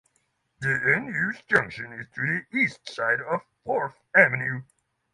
The unused junction is to the east side of Fourth Avenue.